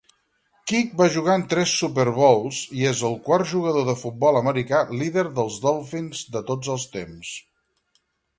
Kiick va jugar en tres Super Bowls i és el quart jugador de futbol americà líder dels Dolphins de tots els temps.